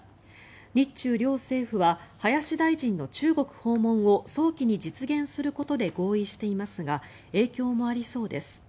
日中両政府は林大臣の中国訪問を早期に実現することで合意していますが影響もありそうです。